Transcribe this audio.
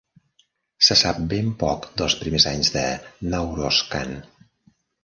Se sap ben poc dels primers anys de Nowroz Khan.